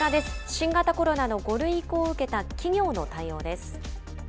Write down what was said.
新型コロナの５類移行を受けた企業の対応です。